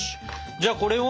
じゃあこれを？